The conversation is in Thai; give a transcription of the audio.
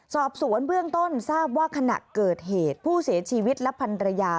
สอบสวนเบื้องต้นทราบว่าขณะเกิดเหตุผู้เสียชีวิตและพันรยา